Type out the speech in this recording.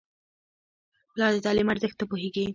پلار د تعلیم ارزښت ته پوهېږي.